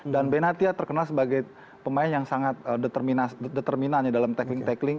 dan benatia terkenal sebagai pemain yang sangat determinannya dalam tackling tackling